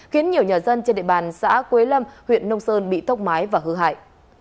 khiến nhiều nhà dân trên địa bàn xã quế lâm huyện nông sơn bị tốc mái và hư hại